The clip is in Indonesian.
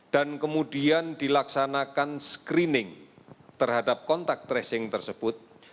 dan kemudian dilaksanakan screening terhadap kontak tracing tersebut